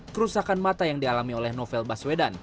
kerusakan mata yang dialami oleh novel baswedan